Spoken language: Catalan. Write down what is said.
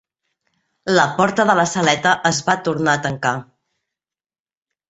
La porta de la saleta es va tornar ar a tancar.